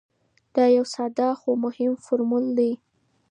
دا یو ساده خو مهم فرمول دی.